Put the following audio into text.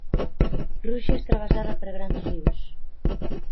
Rússia és travessada per grans rius.